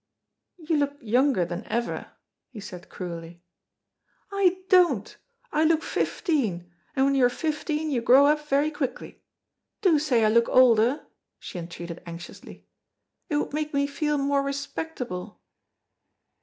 "You look younger than ever," he said cruelly. "I don't! I look fifteen, and when you are fifteen you grow up very quickly. Do say I look older!" she entreated anxiously. "It would make me feel more respectable."